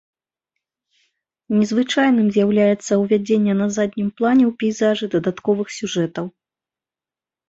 Незвычайным з'яўляецца ўвядзенне на заднім плане ў пейзажы дадатковых сюжэтаў.